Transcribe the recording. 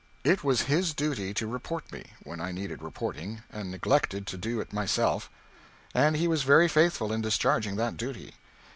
It was his duty to report me, when I needed reporting and neglected to do it myself, and he was very faithful in discharging that duty.